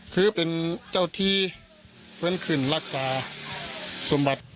คือเป็นเจ้าที่เหมือนขึ้นรักษาสมบัติ